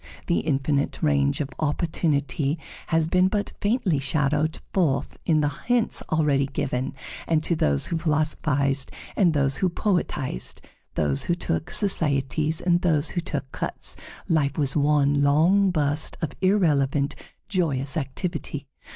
The infinite range of opportunity has been but faintly shadowed forth in the hints already given; and to those who philosophized and those who poetized, those who took societies and those who took cuts, life was one long burst of irrelevant, joyous activity.